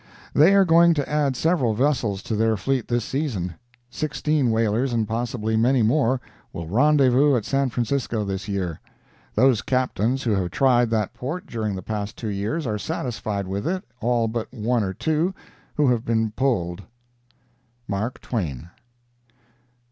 They are going to add several vessels to their fleet this season. Sixteen whalers, and possibly many more, will rendezvous at San Francisco this year. Those Captains who have tried that port during the past two years are satisfied with it all but one or two, who have been "pulled." MARK TWAIN.